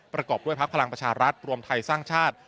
ประกอบด้วยพักพลังประชารัฐรวมไทยสร้างชาติ